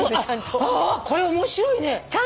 あこれ面白いね。